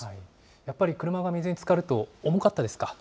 やっぱり車が水につかると重かったですか？